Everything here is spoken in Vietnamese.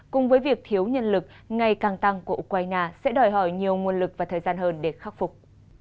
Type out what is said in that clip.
cùng với việc thiếu nhân lực ngày càng tăng của ukraine sẽ đòi hỏi nhiều nguồn lực và thời gian hơn để khắc phục